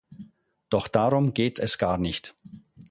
Doch darum geht es gar nicht.